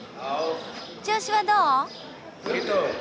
調子はどう？